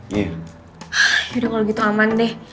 yaudah kalo gitu aman deh